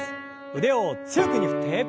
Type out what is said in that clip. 腕を強く上に振って。